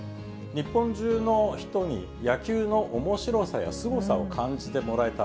日本中の人に野球のおもしろさやすごさを感じてもらえた。